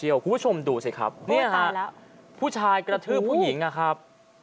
คุณผู้ชมดูสิครับเนี่ยฮะผู้ชายกระทืบผู้หญิงนะครับ